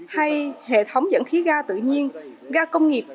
hay hệ thống dẫn khí ga tự nhiên ga công nghiệp